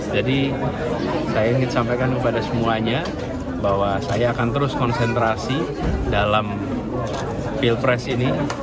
jadi saya ingin sampaikan kepada semuanya bahwa saya akan terus konsentrasi dalam pilpres ini